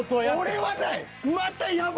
俺はない！